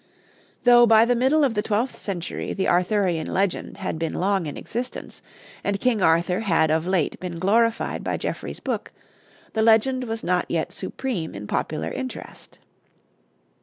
Though by the middle of the twelfth century the Arthurian legend had been long in existence, and King Arthur had of late been glorified by Geoffrey's book, the legend was not yet supreme in popular interest.